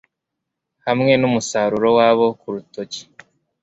Hamwe numusaruro wabo kurutoki